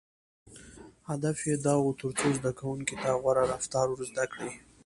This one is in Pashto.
• هدف یې دا و، تر څو زدهکوونکو ته غوره رفتار ور زده کړي.